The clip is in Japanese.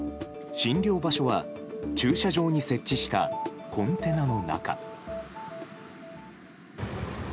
診療場所は駐車場に設置したコンテナの中。